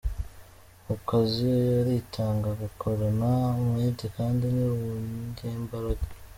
Mu kazi aritanga akagakorana umwete kandi ni umunyembaraga.